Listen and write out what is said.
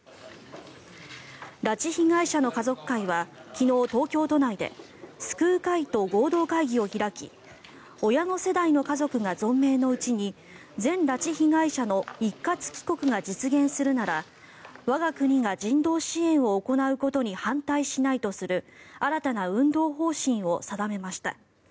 拉致被害者の家族会は昨日、東京都内で救う会と合同会議を開き親の世代の家族が存命のうちに全拉致被害者の一括帰国が実現するなら我が国が人道支援を行うことに反対しないとする新たな運動方針を定めました。